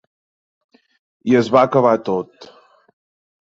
I es va acabar tot.